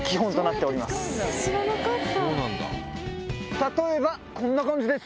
例えばこんな感じです。